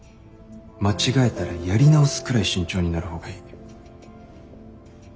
間違えたらやり直すくらい慎重になる方がいい。